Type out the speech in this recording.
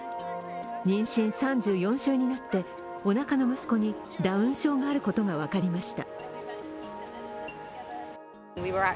妊娠３４週になって、おなかの息子にダウン症があることが分かりました。